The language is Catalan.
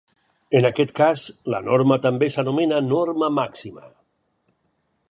En aquest cas, la norma també s'anomena norma màxima.